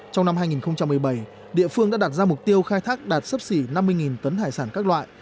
trong năm hai nghìn một mươi bảy địa phương đã đặt ra mục tiêu khai thác đạt sấp xỉ năm mươi tấn hải sản các loại